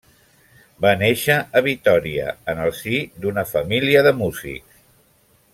Va nàixer a Vitòria en el si d'una família de músics.